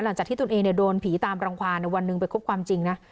หลังจากที่ทุนเองโดนผีตามรังความวันหนึ่งไปคบความจริงนะ